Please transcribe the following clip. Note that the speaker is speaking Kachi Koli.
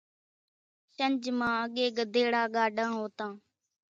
شنجھ مان اڳيَ ڳڌيڙا ڳاڏان هوتان۔